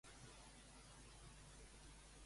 Munté ha canviat d'opinió?